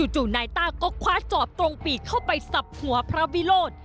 จู่นายต้าก็คว้าจอบตรงปีกเข้าไปสับหัวพระวิโรธ